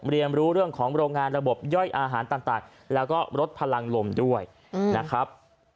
เรียนรู้เรื่องของโรงงานระบบย่อยอาหารต่างแล้วก็ลดพลังลมด้วยนะครับ